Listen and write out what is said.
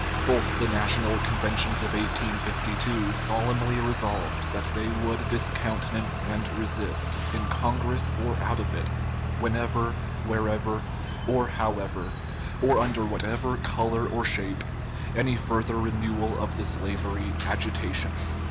Both the National Conventions of 1852 solemnly resolved that they would discountenance and resist, in Congress or out of it, whenever, wherever, or however, or under whatever color or shape, any further renewal of the slavery agitation.